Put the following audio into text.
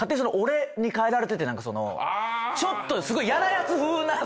ちょっとすごい。